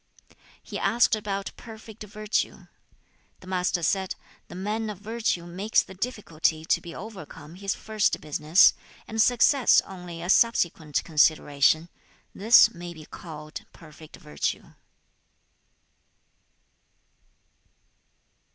He asked about perfect virtue. The Master said, 'The man of virtue makes the difficulty to be overcome his first business, and success only a subsequent consideration; this may be called perfect virtue.'